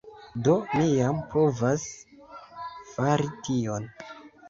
Do mi jam povas fari tion